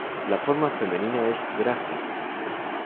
La forma femenina es "Gräfin".